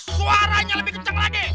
suaranya lebih kencang lagi